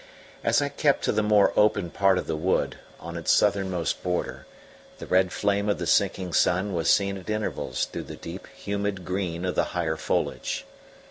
As I kept to the more open part of the wood, on its southernmost border, the red flame of the sinking sun was seen at intervals through the deep humid green of the higher foliage.